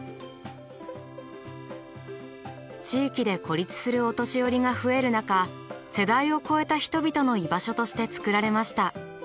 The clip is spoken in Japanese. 地域で孤立するお年寄りが増える中世代を超えた人々の居場所として作られました。